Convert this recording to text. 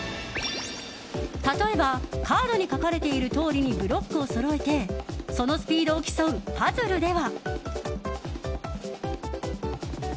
例えばカードに描かれているとおりにブロックをそろえてそのスピードを競うパズルでは。